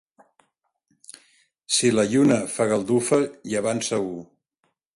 Si la lluna fa galdufa, llevant segur.